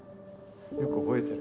よく覚えてる。